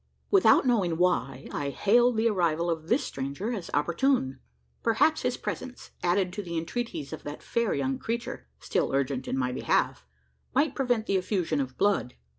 Without knowing why, I hailed the arrival of this stranger as opportune. Perhaps his presence, added to the entreaties of that fair young creature still urgent in my behalf might prevent the effusion of blood.